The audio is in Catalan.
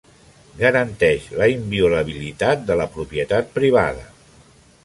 Garanteix la inviolabilitat de la propietat privada.